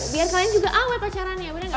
biar kalian juga awet pacarannya bener gak bu